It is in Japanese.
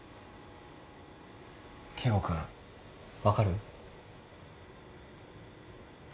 圭吾君分かる？